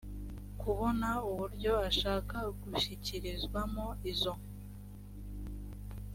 kubona n uburyo ashaka gushyikirizwamo izo